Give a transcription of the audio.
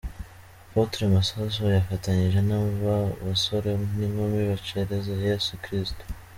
Apotre Masasu yafatanyije n'aba basore n'inkumi bacereza Yesu Kristo.